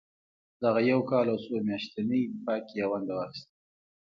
دغه یو کال او څو میاشتني دفاع کې یې ونډه واخیسته.